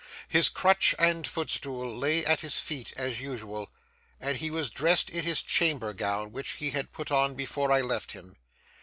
His crutch and footstool lay at his feet as usual, and he was dressed in his chamber gown, which he had put on before I left him.